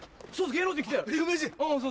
芸能人来たよ。